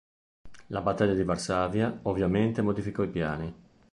La battaglia di Varsavia, ovviamente modificò i piani.